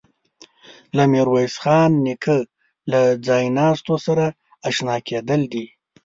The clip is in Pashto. له میرویس خان نیکه له ځایناستو سره آشنا کېدل دي.